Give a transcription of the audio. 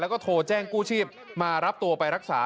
แล้วก็โทรแจ้งกู้ชีพมารับตัวไปรักษา